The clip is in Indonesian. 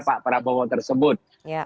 pak prabowo tersebut